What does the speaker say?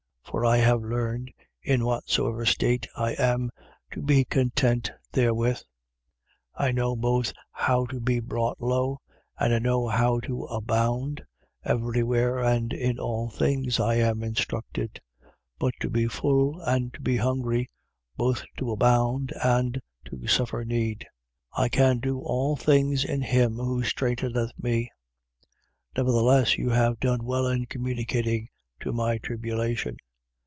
For I have learned, in whatsoever state I am, to be content therewith. 4:12. I know both how to be brought low, and I know how to abound (every where and in all things I am instructed): both to be full and to be hungry: both to abound and to suffer need. 4:13. I can do all things in him who strengtheneth me. 4:14. Nevertheless, you have done well in communicating to my tribulation.